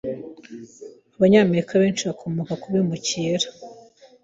Abanyamerika benshi bakomoka ku bimukira.